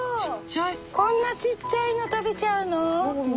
こんなちっちゃいの食べちゃうの？